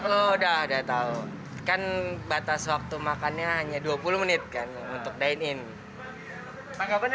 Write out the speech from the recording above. kalau udah ada tahu kan batas waktu makannya hanya dua puluh menit kan untuk dine in tanggapannya